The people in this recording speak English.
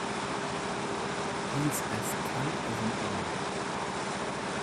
He's as tight as an owl.